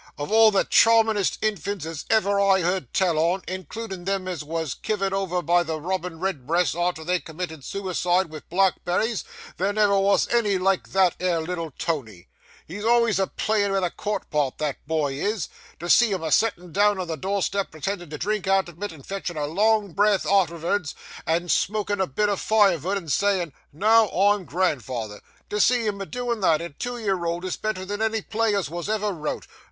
of all the charmin'est infants as ever I heerd tell on, includin' them as was kivered over by the robin redbreasts arter they'd committed sooicide with blackberries, there never wos any like that 'ere little Tony. He's alvays a playin' vith a quart pot, that boy is! To see him a settin' down on the doorstep pretending to drink out of it, and fetching a long breath artervards, and smoking a bit of firevood, and sayin', "Now I'm grandfather,"—to see him a doin' that at two year old is better than any play as wos ever wrote.